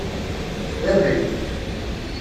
D abrid.